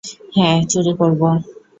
হ্যা, চুরি করবো।